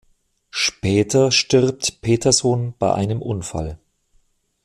Später stirbt Peterson bei einem Unfall.